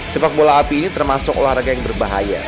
sepak bola api ini termasuk olahraga yang berbahaya